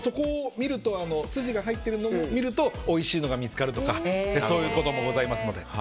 筋が入っているのを見るとおいしいのが見つかるとかそういうこともございますので。